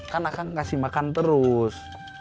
kan akan ngasih makan terus